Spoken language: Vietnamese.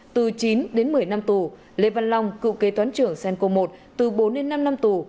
từ chín đến một mươi năm tù lê văn long cựu kế toán trưởng senco một từ bốn đến năm năm tù